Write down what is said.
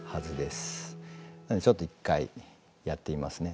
ちょっと一回やってみますね。